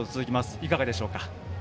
いかがでしょうか？